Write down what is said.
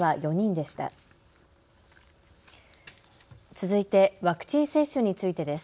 続いてワクチン接種についてです。